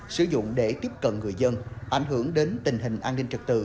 sử dụng để tiếp cận người dân ảnh hưởng đến tình hình an ninh trật tự